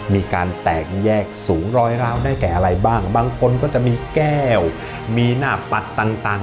มีการแตกแยกสูงรอยร้าวได้แก่อะไรบ้างบางคนก็จะมีแก้วมีหน้าปัดต่าง